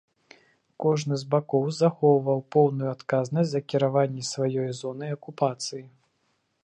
Кожны з бакоў захоўваў поўную адказнасць за кіраванне сваёй зонай акупацыі.